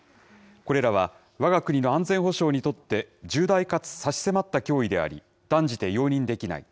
これらはわが国の安全保障にとって、重大かつ差し迫った脅威であり、断じて容認できない。